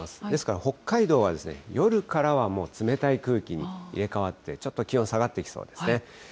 ですから北海道は夜からはもう冷たい空気に入れ代わって、ちょっと気温下がってきそうですね。